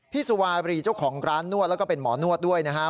สุวารีเจ้าของร้านนวดแล้วก็เป็นหมอนวดด้วยนะครับ